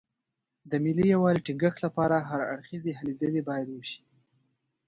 د ملي یووالي ټینګښت لپاره هر اړخیزې هلې ځلې باید وشي.